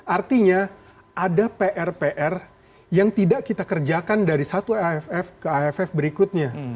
artinya ada pr pr yang tidak kita kerjakan dari satu aff ke aff berikutnya